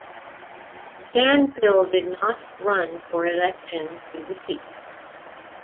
Stanfill did not run for election to the seat.